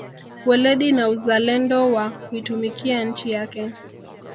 Weledi na uzalendo wa kuitumikia nchi yake